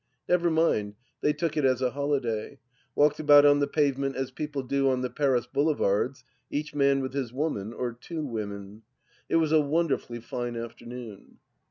Never mind, they took it as a holiday : walked about on the pavement as people do on the Paris Boulevards, each man with his woman, or two women. It was a wonderfully fine afternoon.